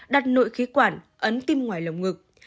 đặt nội khí quản ấn tim ngoài lồng ngực